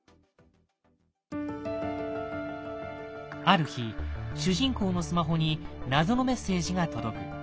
ある日主人公のスマホに謎のメッセージが届く。